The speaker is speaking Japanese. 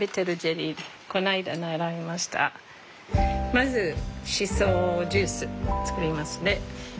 まずシソジュース作りますね。